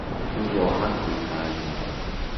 او راحت پول خرج میکند.